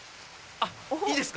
あっいいですか？